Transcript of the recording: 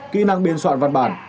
kỹ năng biên soạn văn bản